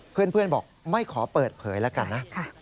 เพื่อนบอกไม่ขอเปิดเผยแล้วกันนะ